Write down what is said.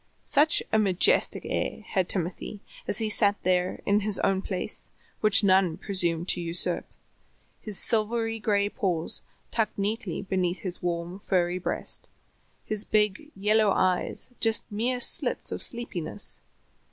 Such a majestic air had Timothy as he sat there in his own place, which none presumed to usurp; his silvery gray paws tucked neatly beneath his warm furry breast, his big, yellow eyes just mere slits of sleepiness.